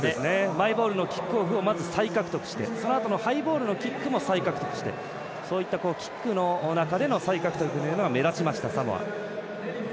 マイボールのキックオフをまず再獲得してそのあとのハイボールのキックも再獲得してそういったキックの中での再獲得というのが目立ちましたサモア。